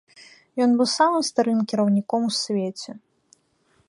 Ён быў самым старым кіраўніком у свеце.